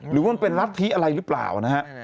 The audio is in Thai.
หรือว่ามันเป็นรัฐธิอะไรหรือเปล่านะฮะ